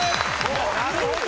なるほど！